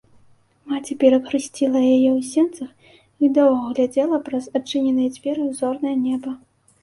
Маці перахрысціла яе ў сенцах і доўга глядзела праз адчыненыя дзверы ў зорнае неба.